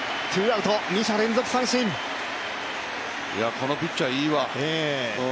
このピッチャー、いいわ。